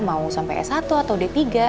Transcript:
mau sampai s satu atau d tiga